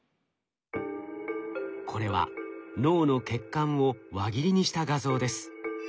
これは脳の血管を輪切りにした画像です。